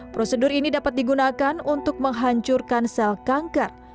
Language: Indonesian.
prosedur ini dapat digunakan untuk menghancurkan sel kanker